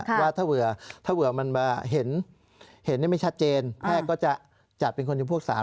ว่าถ้าเวลามันเห็นไม่ชัดเจนแพทย์ก็จะจัดเป็นคนที่พวกสาม